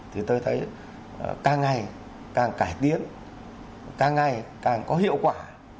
thì tôi thấy càng ngày càng cải tiến càng ngày càng có hiệu quả